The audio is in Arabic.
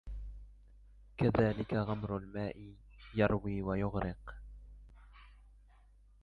كذلك غمر الماء يروي ويغرق